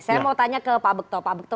saya mau tanya ke pak bekto